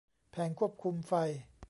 แผงควบคุมไฟ